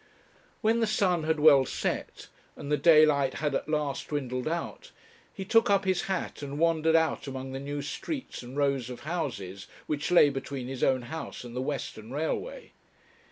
When the sun had well set, and the daylight had, at last, dwindled out, he took up his hat and wandered out among the new streets and rows of houses which lay between his own house and the Western Railway.